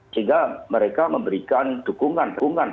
sehingga mereka memberikan dukungan